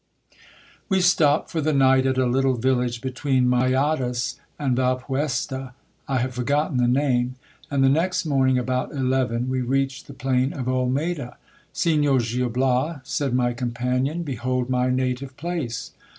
We stopped for the night at a little village between Moyados and Valpuesta ; I have forgotten the name : and the next morning, about eleven, we reached the plain of Olmedo. Signor Gil Bias, said my companion, behold my native place.